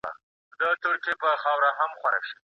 د ستونزو منل سکون راوړي.